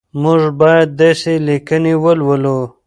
موږ باید داسې لیکنې ولولو.